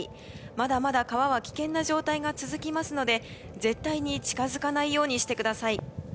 まだまだ川は危険な状態が続きますので絶対に近づかないようにしてください。